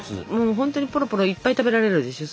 ほんとにポロポロいっぱい食べられるでしょ？